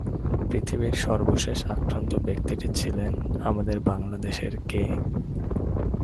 পৃথিবীর সর্বশেষ আক্রান্ত ব্যক্তিটি ছিলেন আমাদের বাংলাদেশের কে?